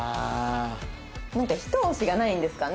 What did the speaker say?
なんかひと押しがないんですかね？